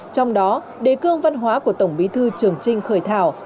trong đó đề cương văn hóa của tổng bí thư trường trinh khởi thảo